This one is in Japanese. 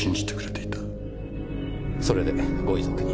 それでご遺族に？